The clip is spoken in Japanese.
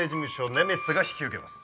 ネメシスが引き受けます。